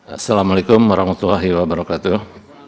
assalamu alaikum warahmatullahi wabarakatuh